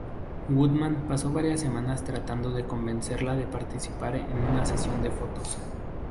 Woodman pasó varias semanas tratando de convencerla de participar en una sesión de fotos.